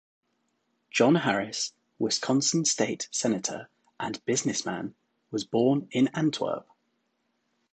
John Harris, Wisconsin State Senator and businessman, was born in Antwerp.